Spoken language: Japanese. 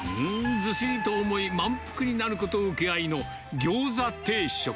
ずしりと重い、満腹になること請け合いの餃子定食。